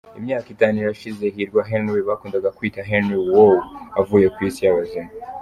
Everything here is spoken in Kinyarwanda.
Imyaka itanu irashize Hirwa Henry bakundaga kwita Henry Wow avuye ku isi y’abazima.